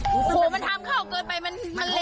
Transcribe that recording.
โหมันทำข้ระเกินไปมันลีมาก